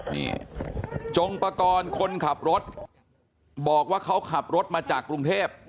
นี่จงปากรคนขับรถบอกว่าเขาขับรถมาจากกรุงเทพ